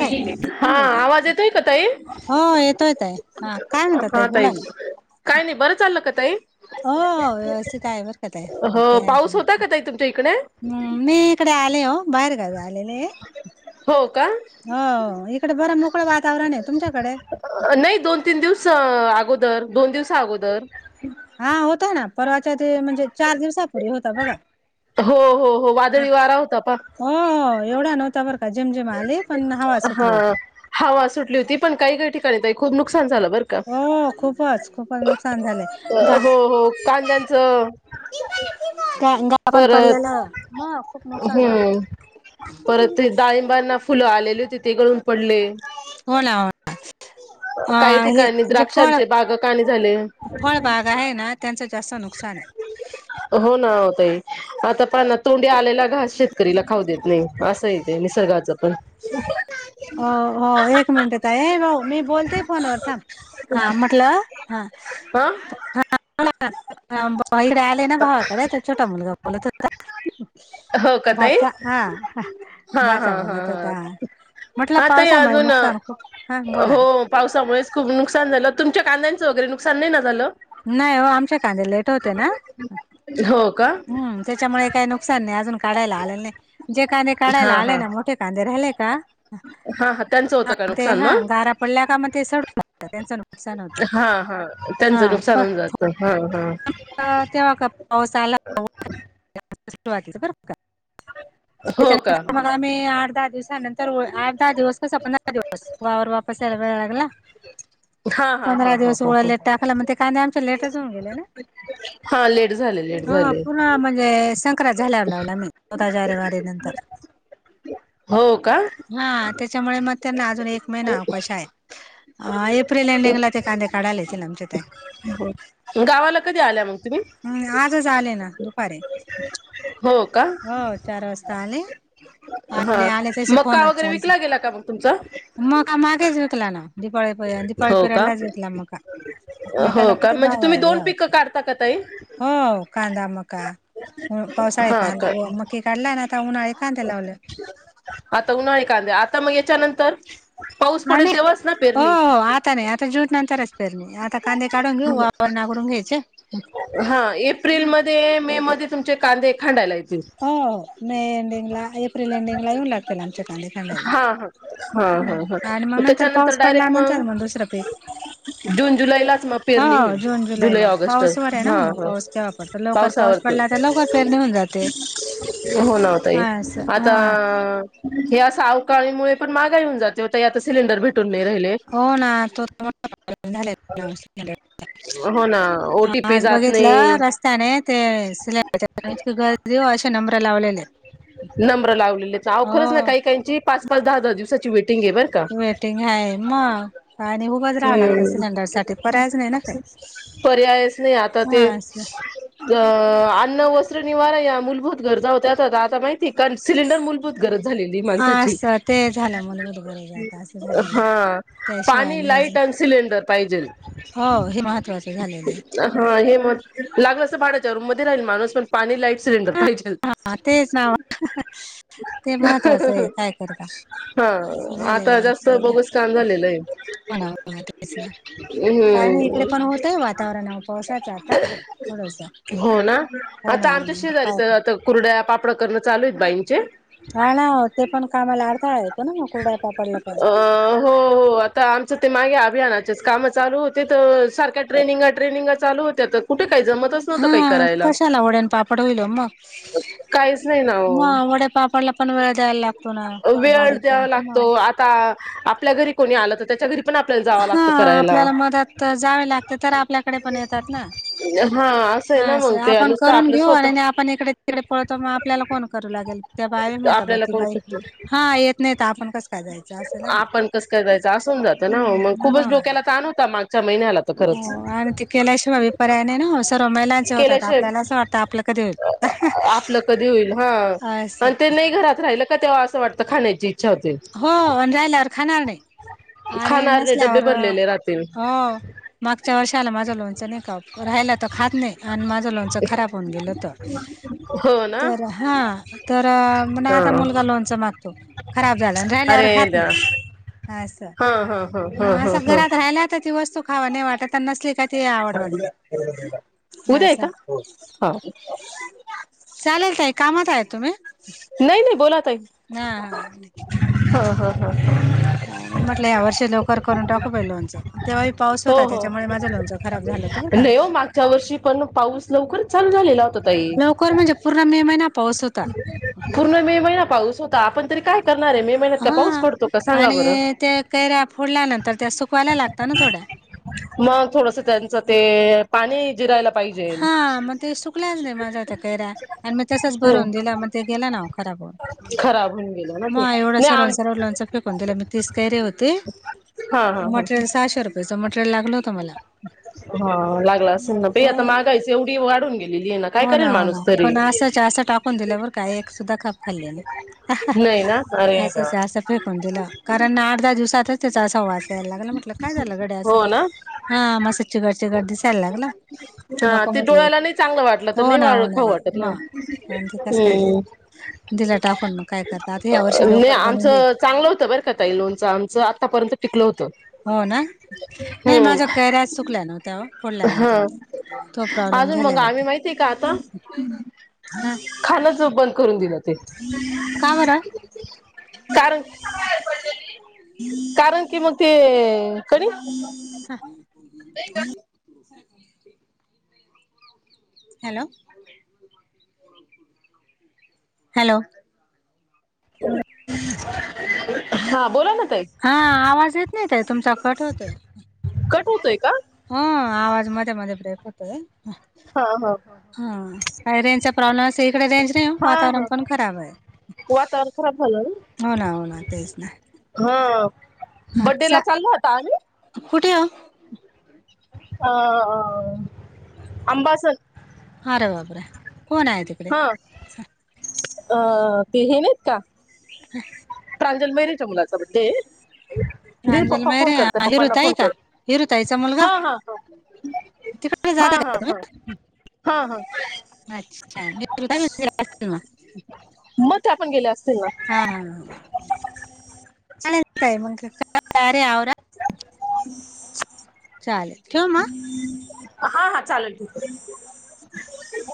ताई कोण बोलतय आवाज येतोय का, ताई? हो येतोय ताई हा काय म्हणतात हां ताई. बोला ना काय नई, बरं चाललं का, ताई? हो, व्यवस्थित आहे, बर का ताई, हो ओके आहे पाऊस होता का [unintelligible] ताई तुमच्या इकडे मी कडे आले हो, बाहेर गावी आ लेले, हो का हो इकड बरं मोकळं वातावरण ये, तुमच्याकडे? अ नही दोन-तीन दिवस अ अगोदर, दोन दिवसा अगोदर हां, होता ना, परवाच्या ते, म्हणजे चार दिवसा हो हो हो, हा वादळी वारा होता पहा हो हो, एवढा नव्हता बर का, झिमझिम आली, पण हवा हा सुटली होती. हवा सुटली होती, पण काही-काही ठिकाणी, ताई खूप नुकसान झालं, बर हो, खूपच-खूपच नुक अ हो हो, कांद्यांचं गा गा पण परत, पडलेलं मग खूप नुकसान झालं हम्म. परत ते डाळिंबना, फुलं आलेले होते, ते गळून पडले. होणा हो अ काही हे ठिकाणी, जे द्राक्षांचे बागं, काणे झाले. फळ भाग आहे ना, त्यांचं जास्त नुकसान ये. हो ना ओ ताई, आता पहा ना, तोंडी आलेला घास, शेत करीला खाऊ देत नही, असंय ते निसर्गाचं, पण हो हो, एक मिनट ताई, हे भाऊ, मी बोलते फोनवर, थांब, हां म्हटलं हा, हा [unintelligible] आले ना, भावाकडे, तर छो टा, मुलगा बोलत होत हो का ताई भाचा, हां हा हा भाचा हा बोलत होता, हा. म्हटलं हा ताई पावसामुळे अजून नुकसान खूप, हं बोला हो ना पावसामुळेच खूप नुकसान झालं, तुमच्या कांद्यांचं वैगरे, नुकसान नही ना, झालं? नाही ओ, आमचे कांदे लेट होते ना, हो का हम् त्याच्यामुळे काही नुक सान नही, अजून काढायला आलेलं नही, जे कांदे काढायला हा आले हा ना, मोठे कांदे राहिले का हां हां त्यांचं होतं का, ते नुकसान हा मग? गारा पडल्या का, म ते सडूण जात्या, त्यांचं नु हां हां, त्यांचं नुकसान होऊन जात, हं हं. अ तेव्हा का, पाऊस आला [unintelligible] वाटलं बरं का, हो का त्याच्यानंतर मग आम्ही, आठ-दहा दिवसानंतर तर आठ- दहा दिवस, कसा पंधरा दिवस, वावर वापस यायला वेळ लागला. हा हा हा पंधरा हो दिवस हो एवड हो लेट टाकलं, म ते कांदे आमचे लेटचं होऊन गेले ना, हा लेट झाले लेट हं झाले पुन्हा म्हण ते संक्रांत झाल्यावर, लावला आम्ही, चौदा जानेवारीनंतर हो का? हां, त्याच्यामुळे म त्यांना अजून, एक महिना अवकाश आहे, अ एप्रिल एंडिंगला ते कांदे काढायला, येतील आमचे ते. गावाला कधी आल्या मंग तुम्ही? हम्म आजच आले ना दुपारी हो का. हो चार वाजता आले. हा आणि आले तसे मका फोनच वगैरे चालू विकला गेला का मग तुमचा? मका मागेच विकला ना दीपाळीपर्यत दीपाळी हो का? पिरेडलाच घेतला मका. हो मकाला का, किती म्हणजे भाव तुम्ही आहे हो दोन पिकं यावर्षी काढता का ताई? हो, कांदा, मका पावसाळी हा कांदा का व म हे काढलाय ना आता उन्हाळी कांदे लावले. आता उन्हाळी कांदे, आता म याच्यानंतर पाऊस आणि पडेल तेव्हाच ना हो पेरणी. हो आता नाय, आता जुन नंतरच पेरणी, आता कांदे काढून घेऊ, वावर नागंरून घ्यायचे. हा एप्रिलमध्ये मे मध्ये तुमचे कांदे खांडायला येतील. होहो. मे एंडिंगला, एप्रिल एंडिंग ला येऊन लागतील आमचे कांदे हा हा हा खांडायला हा हा आणि म मग नं तर त्याच्यानंतर पाऊस डायरेक्ट मग पडलानंतर म दुसरं पीकं जून जुलैलाच मग पेरणी हो. होईल. जून जुलै जुलैलाच ऑगस्ट पाऊसवर ये ना हा म हा पाऊस केव्हा लवकर पाऊस पावसावरती पडला तर, लवकर पेरणी होऊन जाते. हो ना ओ ताई हा असं आता‌ हा हे अस अवकाळीमुळे पण महागाई होऊन जाते हो ताई आता सिलेंडर भेट टुन नाय राहिले हो ना तो [inaudible] झालेत सिलें [inaudible] हो ना, ओ टी पी जात नाई. त्या ने ते सिलिंडर गदी असे नंबरं लावलेलेत. नंबर लावलेलेत, आओ खरंच ना काही काहीची पाच पाच, दहा दहा दिवसाची वेटिंगये बरं का. वेटिंग हाय म, आणि उभंच राहावं लागतं हम्म सिलेंडर साठी पर्यायच नाही ना काय पर्यायच नाही. आता ते अ अन्न, वस्त्र, निवारा या मूलभूत गरजा होत्या. त आता माहिती ये का सिलेंडर मूलभूत गरज झालेलीये हा माणसाची. असं ते झालं मूलभूत गरज आता असं अ झालेलं हा आहे. त्याशिवाय पाणी, लाईट नाही आणि सिलेंडर पाहिजेल. हो हे महत्त्वाचं झालेलं आहे. हा हे मह लागलंच त भाड्याच्या रूम मध्ये राहील माणूस पण पाणी, लाईट, सिलेंडर पाहिजेल. हा तेच ना ओ, ते महत्वाचं ये काय करता हा असं झालेलं आता आहे जास्त आजच्या बघुस काम झालेलंय. [unintelligible] काय नाय इकडं पण होतय वातावरण आओ पावसाचं आता थोडंसं हो ना, आता आमच्या शेजारी तर आत कुरड्या, पापड करणं चालूयेत बाईंचे हा ना ओ, ते पण कामाला अडथळा येतो म कुर्रड्या पापडला पण त आमचं ते मागे अभियानाचेच कामं तर सारख्या ट्रेनिंगा ट्रेनिंगाच चालू होत्या त कुठे काय जमतच नव्हत काही हा करायला. कशाला काहीच नाही ना ओ म वड्यापापडला पण वेळ द्यायला लागतो. ना बारीक काम द्यावं मग लागतो. आता आपल्या घरी कोणी आलं त त्याच्या घरी पण आपल्याला जावं हा लागतं करायला आपल्याला मदत जावी लागते. तर आपल्याकडे पण येतात ना. हा असं आहे हा ना अस, मग ते आपण नुसतं करून आपलं घेऊ. आणि नाय स्वतः आपण इकडे तिकडे पळतो. म आपल्याला कोण करू लागेल. त्या बाई म्हणता, बा आपल्याला ती कोण बाई हा येत नाही त आपण कसं काय जायचं असं ना म आपण कसं काय जायच, असं होऊन जातं ना म, मग खूपच डोक्याला ताण होता मागच्या महिन्याला तर खरंच हो आणि ती केल्याशिवाय बी पर्याय नाय न, सर्व महिलांचे होतात. केल्याशिवाय आपल्याला असं वाटतं आपलं कधी होईल. [unintelligible] ह असं आणि ते नाही घरात राहिलं का तेव्हा असं वाटत खाण्याची- ईच्छा होते. हो आणि राहिल्यावर खाणार नाही. आणि खाणार नाही डबे नसल्यावर, भरलेले राहतील हो, मागच्या वर्षाला माझं लोणच नाही का हो- राहील तर खात नाही आणि माझं लोणचं खराब होऊन गेलं होत. हो ना. तर, हा, तर म ना हा आता मुलगा लोणच मागतो. राहील्यावर अरे खात देवा नाही. असं. हा हा हा हा मग हा असं हा घरात राहिला तर ती वस्तु- खाव नाही वाटतता अन् नसली का- ते आवड वाटते. उद्या आहे असं. का हा चालेल ताई, कामात आहे तुम्ही? नाही नाही, बोला ताई. हा हा. [inaudible] म्हटलं या वर्षी लवकर करून टाकू बाई लोणचं. तेव्हाही पाऊस हो होता हो त्याच्यामुळे माझं लोणचं - नाही हो मागच्या वर्षी पण पाऊस लवकरच चालू झालेला होता ताई. लवकर म्हणजे पूर्ण मे महिना - पूर्ण मे महिना पाऊस होता, आपण तरी काय- करणार आहे, मे मेहन्यात का पाऊस हा पडतो का सांगा बरं? आणि त्या कैऱ्या फोडल्यानंतर त्या सुकवायला लागता ना थोड्या. मग थोडस त्यांचं ते पाणी जिरायला- पाहिजेल. हा म ते सुकल्याच नाही माझ्या त्या कैऱ्या. आणि मग तसच हो. भरवून दिला मग ते गेला ना खराब होउन. खराब होऊन गेलं ना ते मग एवढ नाही आम सर्वनसर्व लोणच फेकून दिल मी तिस कैरी होती. हा हा हा मटेरियल सहाशे रुपयाचं मटेरियल लागलं होतं मला. हा लागला असल ना बाई आता हो महागाईच एवढी वाढून गेली. गेली आहे ना, काय करेल माणूस तरी? च्या अस टाकून दिल्या बर का, एक सुद्धा खाप खाल्ली नाही. अ ह. नाही ना अरे देवा. असच्या अस- फेकून दिलं कारण आठ दहा दिवसातच त्याचा असा वास- यायला लागला म्हटलं काय झालं गड्या असं? हो ना हा म अस चिगट चिगट दिसायला लागल, हा ते डोळ्याला नाही चांगलं वाटत. ला तर हो नाही ना वाळ हो खाऊ वाटत ना हो. मग आणि ते कसं काय जाईल हम्. दिला टाकून मग काय करता आता ह्या वर्षी नाही लवकर बनून घेईल आमचं चांगलं होतं बर का ताई लोणचं, आमचं आतापर्यंत टिकलं होतं. हो ना, नाही हम्म माझ्या कैऱ्याच सुकल्या नव्हत्या हो फोडल्यानंतर. हा तो प्रॉब्लेम झालेला होता. ती का आता हा खाणच बंद करून दिलं. [inaudible] का बरं कारण, कारण की मग- ते कधी? हा हॅलो. हॅलो. हा बोला ना ताई. हा आवाज येत नाही ताई तुमचा. कट होतोय. कट होतोय का? हा आवाज मध्ये मध्ये ब्रेक होतोय. ह ह. हा काही रेंजचा प्रॉब्लेम असेल, इकडे रेंज नाही हो, हा वातावरण हा पण खराब आहे. वातावरण खराब झाल ना हो ना, हो ना. तेच ना. हो बड्डे ला अच्छा चाललो होतो आम्ही कुठे वो? अं आंबा अरे बापरे, कोण आहे ते? हा, ते हे नाहीत का? [unintelligible] प्रांजल मैरेच्या मुलाचा बड्डे दे प्रांजल पप्पा फोन मैरे करताय पप्पांना हिरुताई फोन का? कर हिरुताईचा मुलगा? हां हां तिकडे जात हा [unintelligible] हा हा. अच्छा, मी ना [unintelligible] त्यापण गेल्या असतील ना. काय [unintelligible] [unintelligible] चालेल ठेवू मग? हा हा, चालेल. ठीके. [unintelligible]